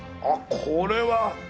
あっこれは。